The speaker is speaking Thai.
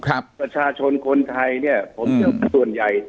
กับประชาชนคนไทยเนี่ยผมคิดว่าคนใหญ่